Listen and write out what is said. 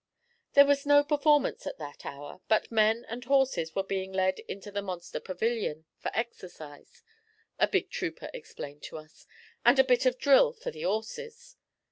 There was no performance at that hour, but men and horses were being led into the monster pavilion, 'for exercise,' a big trooper explained to us, 'and a bit of drill for the 'orses.'